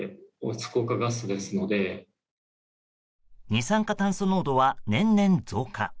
二酸化炭素濃度は年々増加。